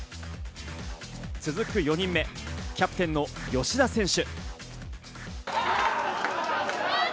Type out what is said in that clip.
続く４人目、キャプテンの吉田選手。